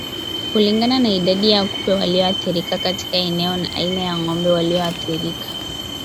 Kulingana na idadi ya kupe walioathirika katika eneo na aina ya ng'ombe walioathirika